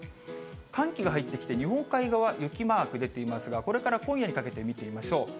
寒気が入ってきて、日本海側、雪マーク出ていますが、これから今夜にかけて見てみましょう。